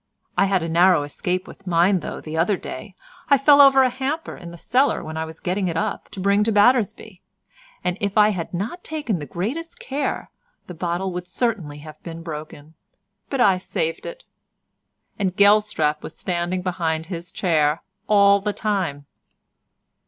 I had a narrow escape with mine, though, the other day; I fell over a hamper in the cellar, when I was getting it up to bring to Battersby, and if I had not taken the greatest care the bottle would certainly have been broken, but I saved it." And Gelstrap was standing behind his chair all the time!